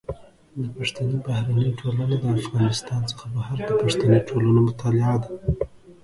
د پښتني بهرنۍ ټولنه د افغانستان څخه بهر د پښتني ټولنو مطالعه ده.